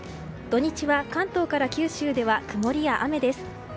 土日は関東から九州では曇りや雨です。